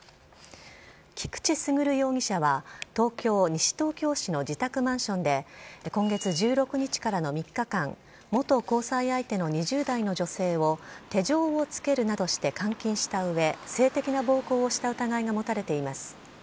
菊地優容疑者は、東京・西東京市の自宅マンションで、今月１６日からの３日間、元交際相手の２０代の女性を手錠をつけるなどして監禁したうえ、性的な暴行をした疑いが持たれています。